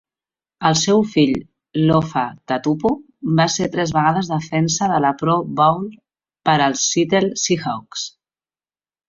El seu fill Lofa Tatupu va ser tres vegades defensa de la Pro Bowl per als Seattle Seahawks.